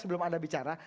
sebelum anda bicara